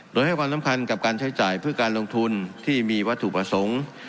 โดยให้ความสำคัญกับการใช้จ่ายเพื่อการลงทุนที่มีวัตถุประสงค์